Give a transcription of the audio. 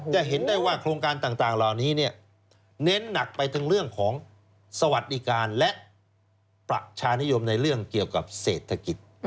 จะเห็นได้ว่าโครงการต่างเหล่านี้เน้นหนักไปทั้งเรื่องของสวัสดิการและประชานิยมในเรื่องเกี่ยวกับเศรษฐกิจ